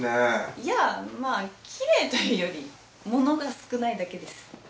いやまあきれいというより物が少ないだけです。